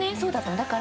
だから。